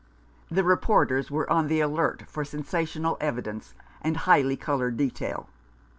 The reporters were on the alert for sensational evidence and highly coloured detail.